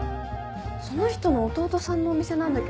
その人の義弟さんのお店なんだけど。